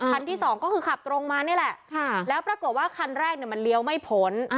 ที่สองก็คือขับตรงมานี่แหละแล้วปรากฏว่าคันแรกเนี่ยมันเลี้ยวไม่พ้น